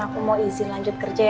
aku mau izin lanjut kerja ya